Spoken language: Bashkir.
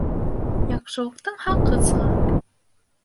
Яҡшылыҡтың хаҡы сыға.